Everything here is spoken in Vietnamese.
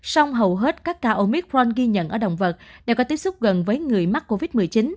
song hầu hết các ca omicron ghi nhận ở động vật đều có tiếp xúc gần với người mắc covid một mươi chín